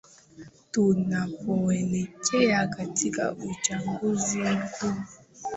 tunapoelekea katika uchaguzi mkuu